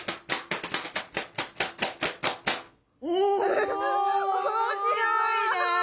おおもしろいね。